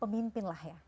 pemimpin lah ya